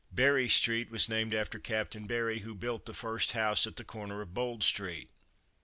Berry street, was named after Captain Berry, who built the first house at the corner of Bold street.